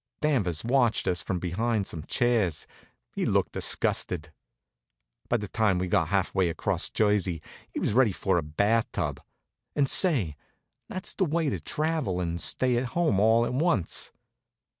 Danvers watched us from behind some chairs. He looked disgusted. By the time we'd got half way across Jersey we was ready for the bath tub. And say, that's the way to travel and stay at home, all to once.